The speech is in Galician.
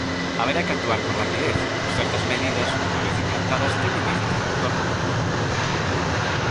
Haberá que actuar con rapidez pois certas medidas, unha vez implantadas, teñen difícil retorno.